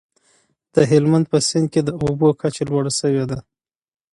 د هلمند په سیند کي د اوبو کچه لوړه سوې ده.